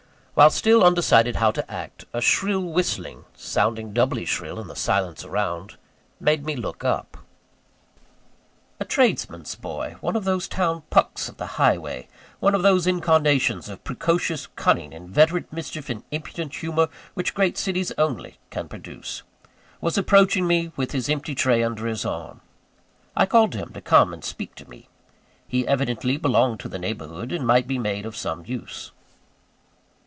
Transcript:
While still undecided how to act, a shrill whistling sounding doubly shrill in the silence around made me look up. A tradesman's boy one of those town Pucks of the highway; one of those incarnations of precocious cunning, inveterate mischief, and impudent humour, which great cities only can produce was approaching me with his empty tray under his arm. I called to him to come and speak to me. He evidently belonged to the neighbourhood, and might be made of some use.